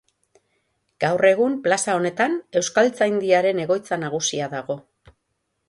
Gaur egun plaza honetan Euskaltzaindiaren egoitza nagusia dago.